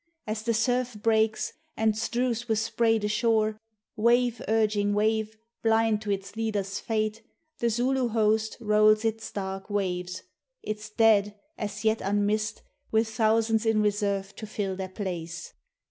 As the surf breaks And strews with spray the shore, wave urging wave, Blind to its leader's fate, the Zulu host Rolls its dark waves, its dead, as yet, unmissed, With thousands in reserve to fill their place.